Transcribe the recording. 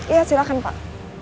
iya silahkan pak